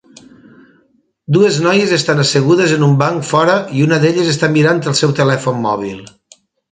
Dues noies estan assegudes en un banc fora, i una d'elles està mirant el seu telèfon mòbil.